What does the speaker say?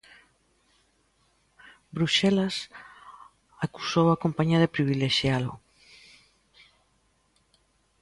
Bruxelas acusou a compañía de privilexialo.